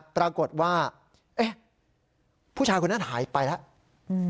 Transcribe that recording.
ปรากฏว่าพูดชายคนนั้นหายไปแล้ว